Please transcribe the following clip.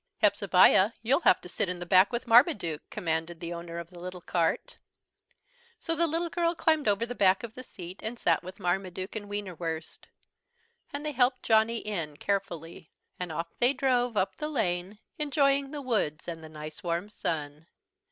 "Hepzebiah, you'll have to sit in the back with Marmaduke," commanded the owner of the little cart. So the little girl climbed over the back of the seat and sat with Marmaduke and Wienerwurst. And they helped Johnny in carefully, and off they drove up the lane, enjoying the woods and the nice warm sun.